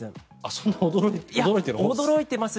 そんな驚いてます？